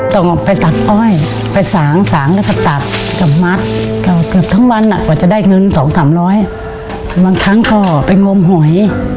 ต้องเอาไปตัดเอ่อไปสาขสางกระตะจำมาตรก็เกือบทั้งวันอ่ะกว่าจะได้เงิน๙๙๙๑๐๐หน่อยบางครั้งก็ไปงมโหย